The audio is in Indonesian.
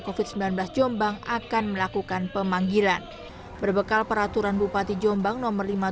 covid sembilan belas jombang akan melakukan pemanggilan berbekal peraturan bupati jombang nomor lima puluh